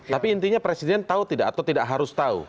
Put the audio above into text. tapi intinya presiden tahu tidak atau tidak harus tahu